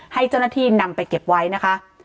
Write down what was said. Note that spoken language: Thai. ให้เจ้าหน้าที่นำไปเก็บไว้นะคะ